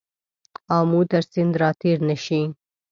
آمو تر سیند را تېر نه شې.